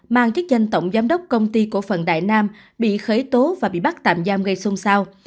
mang chức danh tổng giám đốc công ty cổ phần đại nam bị khởi tố và bị bắt tạm giam gây xung sao